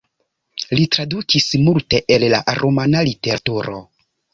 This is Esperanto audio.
Li tradukis multe el la rumana literaturo.